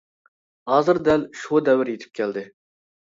ھازىر دەل شۇ دەۋر يىتىپ كەلدى.